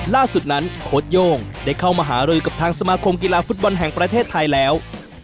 ล่าสุดนั้นโค้ดโย่งได้เข้ามาหารือกับทางสมาคมกีฬาฟุตบอลแห่งประเทศไทยแล้ว